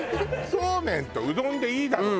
そうめんとうどんでいいだろと。